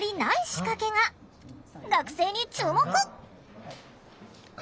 学生に注目！